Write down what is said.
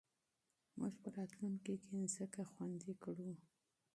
موږ به راتلونکې کې ځمکه خوندي کړو.